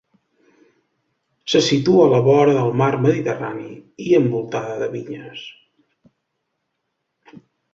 Se situa a la vora del mar Mediterrani i envoltada de vinyes.